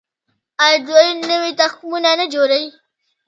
آیا دوی نوي تخمونه نه جوړوي؟